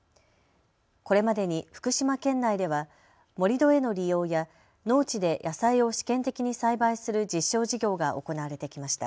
これまでに福島県内では盛り土への利用や農地で野菜を試験的に栽培する実証事業が行われてきました。